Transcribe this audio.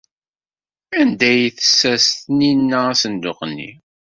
Anda ay tessers Taninna asenduq-nni?